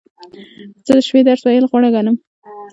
زه د شپې درس ویل غوره ګڼم.